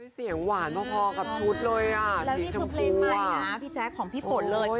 เสียงหวานพอกับชุดเลยอ่ะแล้วนี่คือเพลงใหม่นะพี่แจ๊คของพี่ฝนเลย